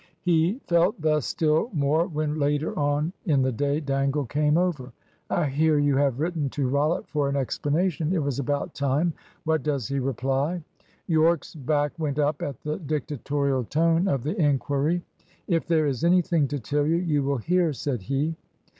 He felt thus still more when later on in the day Dangle came over. "I hear you have written to Rollitt for an explanation. It was about time. What does he reply?" Yorke's back went up at the dictatorial tone of the inquiry. "If there is anything to tell you, you will hear," said he.